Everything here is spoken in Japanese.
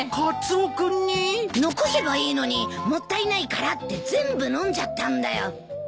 残せばいいのにもったいないからって全部飲んじゃったんだよ。